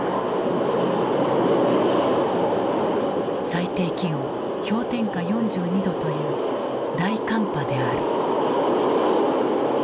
最低気温氷点下４２度という大寒波である。